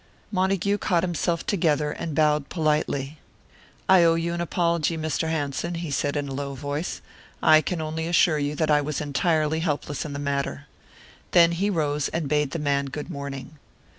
Montague caught himself together, and bowed politely. "I owe you an apology, Mr. Hanson," he said, in a low voice. "I can only assure you that I was entirely helpless in the matter." Then he rose and bade the man good morning.